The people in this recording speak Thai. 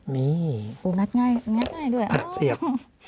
นี่ปูงัดง่ายงัดง่ายด้วยเสียง